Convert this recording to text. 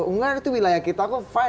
tidak itu wilayah kita